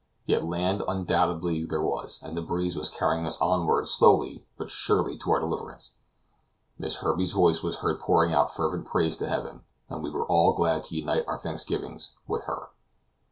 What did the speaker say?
Yet land undoubtedly was there, and the breeze was carrying us onward slowly but surely to our deliverance. Miss Herbey's voice was heard pouring out fervent praise to Heaven, and we were all glad to unite our thanksgivings with hers.